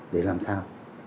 để làm sao